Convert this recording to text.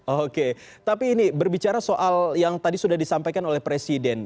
oke tapi ini berbicara soal yang tadi sudah disampaikan oleh presiden